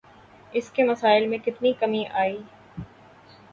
اس کے مسائل میں کتنی کمی آئی؟